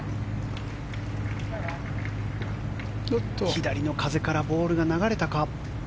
左の風からボールが流れたか。